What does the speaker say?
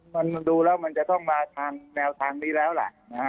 มันดูแล้วมันจะต้องมาทางแนวทางนี้แล้วล่ะนะฮะ